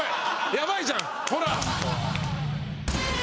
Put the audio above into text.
やばいじゃんほら！